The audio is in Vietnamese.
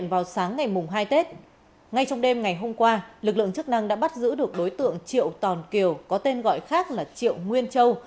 ngay mùng hai tết ngay trong đêm ngày hôm qua lực lượng chức năng đã bắt giữ được đối tượng triệu tòn kiều có tên gọi khác là triệu nguyên châu